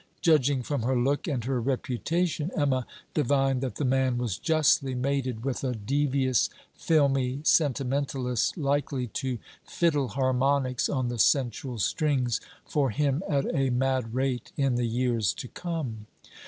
Judging from her look and her reputation, Emma divined that the man was justly mated with a devious filmy sentimentalist, likely to 'fiddle harmonics on the sensual strings' for him at a mad rate in the years to come.